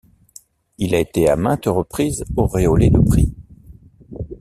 Il a été à maintes reprises auréolé de prix.